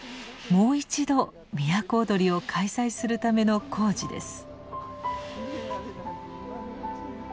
もう一度都をどりを開催するための工事です。